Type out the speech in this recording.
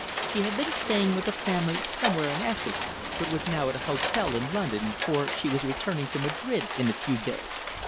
She had been staying with a family somewhere in Essex, but was now at an hotel in London, for she was returning to Madrid in a few days.